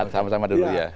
sama sama dulu ya